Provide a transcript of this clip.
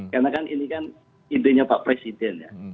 karena kan ini kan idenya pak presiden ya